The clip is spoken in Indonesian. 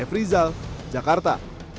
f rizal jakarta